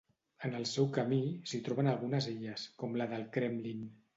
En el seu camí, s'hi troben algunes illes, com la del Kremlin.